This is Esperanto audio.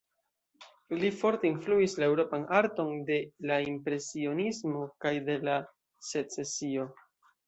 Li forte influis la eŭropan arton de la Impresionismo kaj de la Secesio.